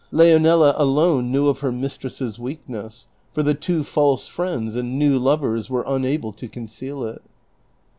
Leonela alone knew of her mistress's weakness, for the two false friends and new lovers were unable to conceal it.